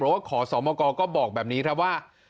หรือว่าขอสอบโมกรก็บอกแบบนี้ครับว่า